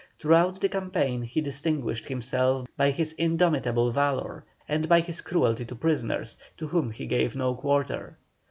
Throughout the campaign he distinguished himself by his indomitable valour and by his cruelty to prisoners, to whom he gave no quarter.